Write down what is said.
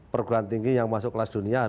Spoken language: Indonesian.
perguruan tinggi yang masuk kelas dunia